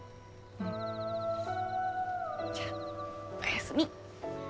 じゃあおやすみ。